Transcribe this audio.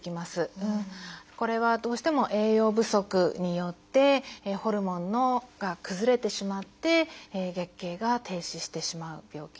これはどうしても栄養不足によってホルモンが崩れてしまって月経が停止してしまう病気になります。